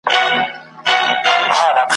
کله کله به هیلۍ ورته راتللې ,